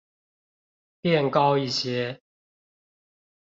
變高一些